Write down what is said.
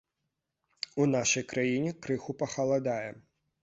У нашай краіне крыху пахаладае.